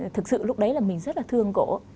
thực sự lúc đấy là mình rất là thương cổ